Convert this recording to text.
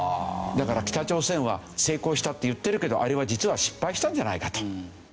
だから北朝鮮は成功したって言ってるけどあれは実は失敗したんじゃないかと。